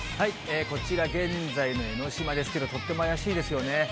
こちら、現在の江の島ですけど、とっても怪しいですよね。